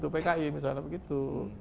pki misalnya begitu